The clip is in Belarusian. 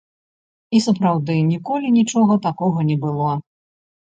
І сапраўды, ніколі нічога такога не было.